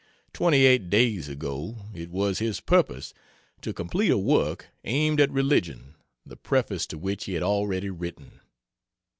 Twenty eight days ago it was his purpose to complete a work aimed at religion, the preface to which he had already written.